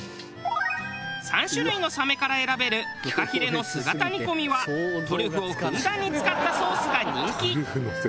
３種類のサメから選べるフカヒレの姿煮込みはトリュフをふんだんに使ったソースが人気。